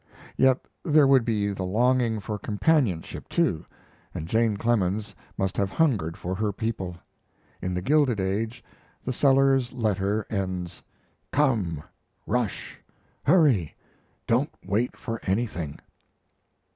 Yet there would be the longing for companionship, too, and Jane Clemens must have hungered for her people. In The Gilded Age, the Sellers letter ends: "Come! rush! hurry! don't wait for anything!"